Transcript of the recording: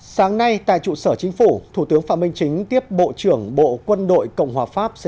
sáng nay tại trụ sở chính phủ thủ tướng phạm minh chính tiếp bộ trưởng bộ quân đội cộng hòa pháp